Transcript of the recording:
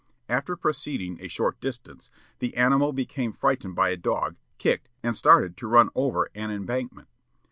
After proceeding a short distance, the animal became frightened by a dog, kicked, and started to run over an embankment.